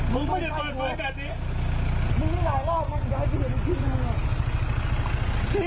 เมื่อกี้มึงไม่ได้ปล่อยไฟแบบนี้